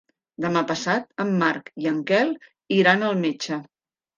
Demà passat en Marc i en Quel iran al metge.